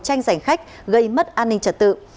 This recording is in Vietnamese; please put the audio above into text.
tranh giành khách gây mất an ninh trật tự